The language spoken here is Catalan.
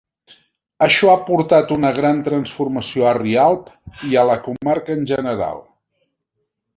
Això ha portat una gran transformació a Rialp i a la comarca en general.